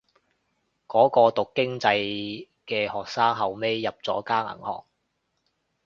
嗰個讀經濟嘅學生後尾入咗間銀行